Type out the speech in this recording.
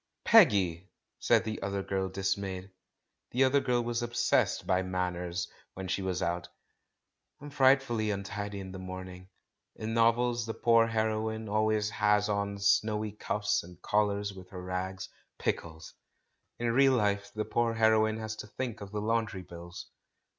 "Peggy!" said the other girl, dismayed. The other girl was obsessed by "manners" when she was out. "I'm frightfully untidy in the morning. In novels the poor heroine always has on 'snowy cuffs and collars' with her rags. Pickles! In THE CALL FROM THE PAST 413 real life the poor heroine has to think of the laun dry bills.